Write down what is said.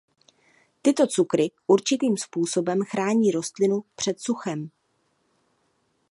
Tyto cukry určitým způsobem chrání rostlinu před suchem.